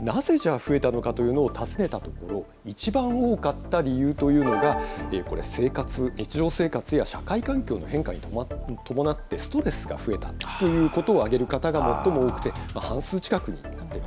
なぜ、じゃあ、増えたのかというのを尋ねたところ、一番多かった理由というのが、生活、日常生活や社会環境の変化に伴ってストレスが増えたということを挙げる方が最も多くて、半数近くに上っています。